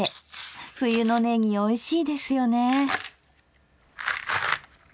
冬のねぎおいしいですよね。